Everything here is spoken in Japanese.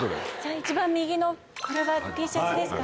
一番右のＴシャツですか？